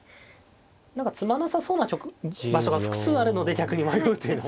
何か詰まなさそうな場所が複数あるので逆に迷うというのはありますね。